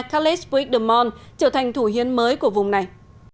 calais puigdemont trở thành thủ hiến mới của vùng này